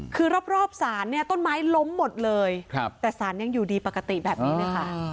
คือรอบศาลเนี่ยต้นไม้ล้มหมดเลยแต่สารยังอยู่ดีปกติแบบนี้เลยค่ะ